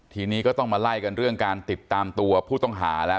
ทีนี้ก็ต้องมาไล่กันเรื่องการติดตามตัวผู้ต้องหาแล้ว